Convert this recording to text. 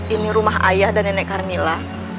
ini rumah ayah dan nenek carmila